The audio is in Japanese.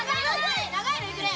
長いのいくね！